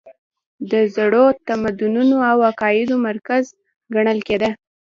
د زړو تمدنونو او عقایدو مرکز ګڼل کېده.